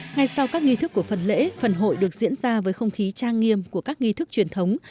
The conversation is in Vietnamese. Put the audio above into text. ngay sau các nghi thức của phần lễ phần hội được diễn ra với không khí trang nghiêm của các nghi thức truyền thống